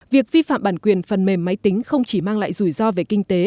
việc vi phạm bản quyền phần mềm máy tính không chỉ mang lại rủi ro về kinh tế